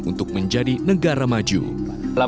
untuk menjadi negara manusia